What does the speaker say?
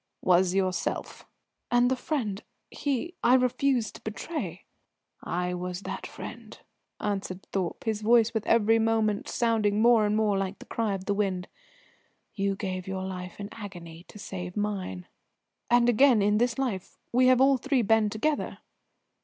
"Was yourself!" "And the friend he I refused to betray?" "I was that friend," answered Thorpe, his voice with every moment sounding more and more like the cry of the wind. "You gave your life in agony to save mine." "And again, in this life, we have all three been together?"